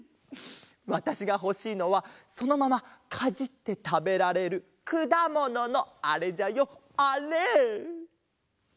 わたしがほしいのはそのままかじってたべられるくだもののあれじゃよあれ！